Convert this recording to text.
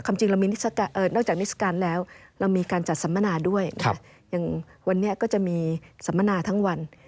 จริงเรามีนอกจากนิสการแล้วเรามีการจัดสัมมนาด้วยอย่างวันนี้ก็จะมีสัมมนาทั้งวัน